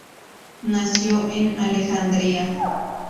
Nació en Alejandría.